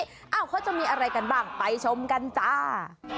เอ้าเขาจะมีอะไรกันบ้างไปชมกันจ้า